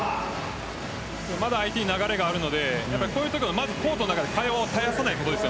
まだ相手に流れがあるのでこういうところはコートの中で会話を絶やさないことです。